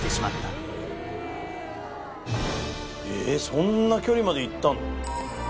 えっそんな距離まで行ったの？